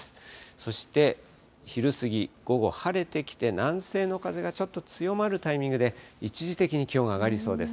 そして昼過ぎ、午後、晴れてきて、南西の風がちょっと強まるタイミングで一時的に気温が上がりそうです。